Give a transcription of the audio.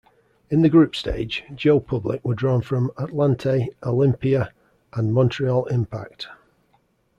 In the group stage, Joe Public were drawn with Atlante, Olimpia, and Montreal Impact.